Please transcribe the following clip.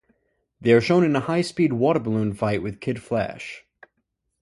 They are shown in a high-speed water balloon fight with Kid Flash.